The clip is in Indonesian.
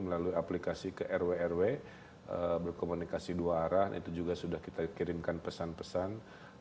melalui aplikasi ke rw rw berkomunikasi dua arah itu juga sudah kita kirimkan pesan pesan